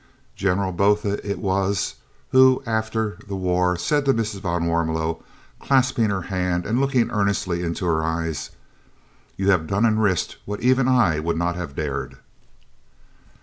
(General Botha it was who, after the war, said to Mrs. van Warmelo, clasping her hand and looking earnestly into her eyes: "You have done and risked what even I would not have dared.")